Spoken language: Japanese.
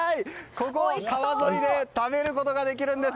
ここは川沿いで食べることができるんです。